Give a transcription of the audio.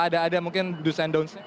ada ada mungkin do's and don'ts